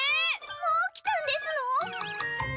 もうきたんですの！？